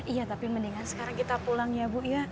iya tapi mendingan sekarang kita pulang ya bu ya